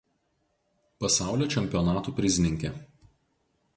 Pasaulio čempionatų prizininkė.